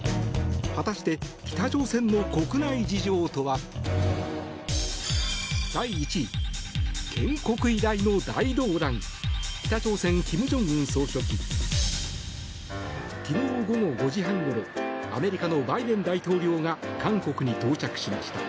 果たして北朝鮮の国内事情とは。昨日午後５時半ごろアメリカのバイデン大統領が韓国に到着しました。